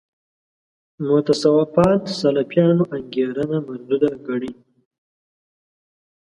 متصوفان سلفیانو انګېرنه مردوده ګڼي.